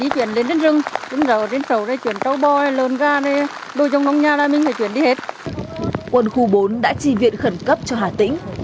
quân khu bốn đã tri viện khẩn cấp cho hà tĩnh